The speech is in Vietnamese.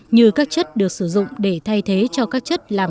như các chất được sử dụng để thay thế cho các chất làm